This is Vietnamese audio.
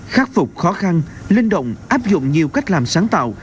khắc phục khó khăn linh động áp dụng nhiều cách làm sáng tạo